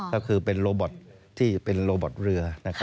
ก็คือเป็นโรบอทที่เป็นโลบอตเรือ